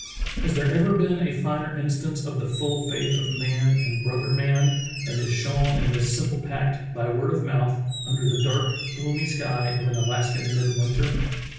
Has there ever been a finer instance of the full faith of man in brother man than is shown in this simple pact, by word of mouth, under the dark, gloomy sky of an Alaskan midwinter?